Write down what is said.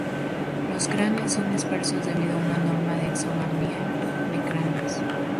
Los clanes son dispersos debido a una norma de exogamia de clanes.